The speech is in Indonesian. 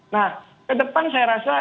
nah ke depan saya rasa